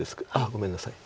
ごめんなさい。